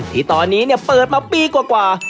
ที่ตอนนี้เปิดมาปีกว่า